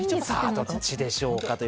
さぁ、どっちでしょうか？